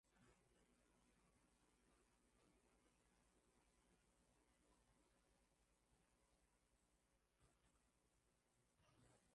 Urusi na ChinaAlijipatia maadui kati ya machifu waliokuwa na mamlaka kubwa wakati wa